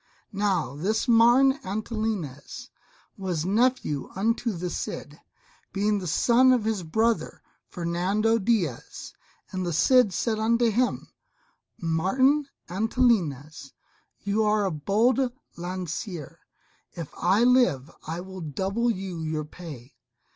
Now this Martin Antolinez was nephew unto the Cid, being the son of his brother, Ferrando Diaz. And the Cid said unto him, "Martin Antolinez, you are a bold lancier; if I live I will double you your pay.